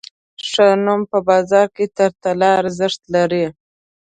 ښه نوم په بازار کې تر طلا ارزښت لري.